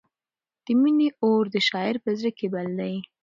د مینې اور د شاعر په زړه کې بل دی.